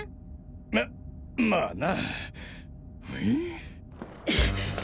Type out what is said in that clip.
ままあな。